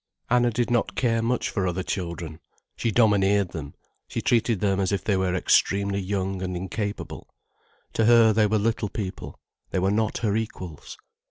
Anna did not care much for other children. She domineered them, she treated them as if they were extremely young and incapable, to her they were little people, they were not her equals.